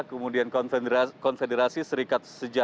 kemudian konfederasi serikat pekejayaan